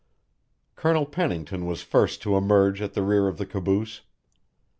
Colonel Pennington was first to emerge at the rear of the caboose.